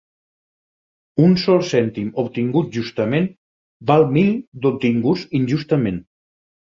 Un sol cèntim obtingut justament val mil d'obtinguts injustament.